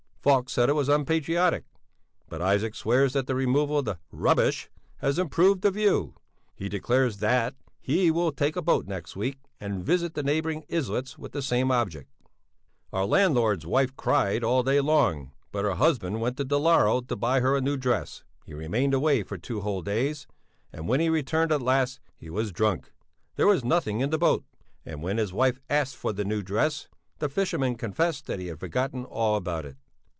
Falk said it was unpatriotic, but Isaac swears that the removal of the "rubbish" has improved the view; he declares that he will take a boat next week and visit the neighbouring islets with the same object. Our landlord's wife cried all day long, but her husband went to Dalarö to buy her a new dress; he remained away for two whole days, and when he returned at last, he was drunk; there was nothing in the boat, and when his wife asked for the new dress, the fisherman confessed that he had forgotten all about it.